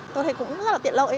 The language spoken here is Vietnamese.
tôi thấy cũng rất là tiện lợi